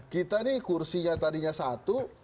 kita nih kursinya tadinya satu